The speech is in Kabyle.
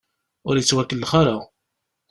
Ur ittwakellex ara.